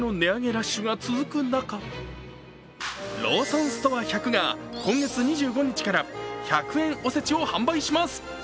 ラッシュが続く中ローソンストア１００が今月２５日から１００円おせちを販売します。